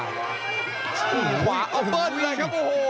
ขวาแอบบันเลยครับโอ้โห